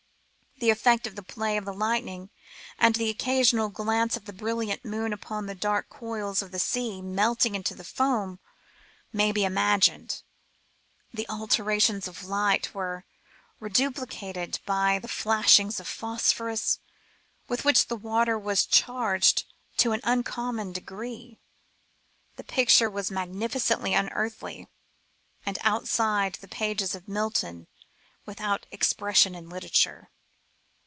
The effect of the play of the lightning, and the occasional glance of the brilliant moon upon the dark coils of the seas melting into foam may be imagined. The alternations of light were reduplicated by the flashings of phosphorus, with which the water was charged to an uncommon degree. The picture was magnificently unearthly, and outside the pages of Milton without expression in literature.